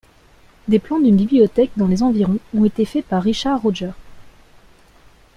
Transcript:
Des plans d'une bibliothèque dans les environs ont été faits par Richard Rogers.